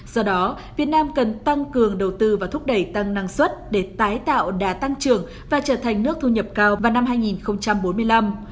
do đó việt nam cần tăng cường đầu tư và thúc đẩy tăng năng suất để tái tạo đá tăng trưởng và trở thành nước thu nhập cao vào năm hai nghìn bốn mươi năm